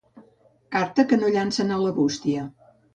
Carta que no llancem a una bústia.